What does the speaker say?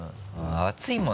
熱いもの